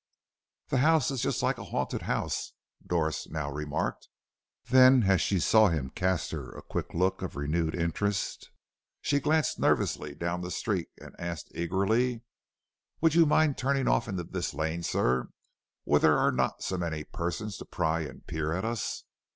"The house is just like a haunted house," Doris now remarked. Then as she saw him cast her a quick look of renewed interest, she glanced nervously down the street and asked eagerly: "Would you mind turning off into this lane, sir, where there are not so many persons to pry and peer at us?